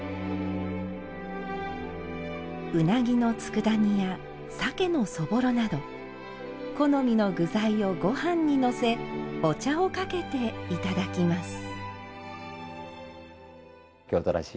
うなぎの佃煮や鮭のそぼろなど好みの具材をごはんにのせお茶をかけていただきます。